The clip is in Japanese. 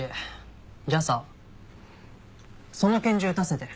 じゃあさその拳銃撃たせて。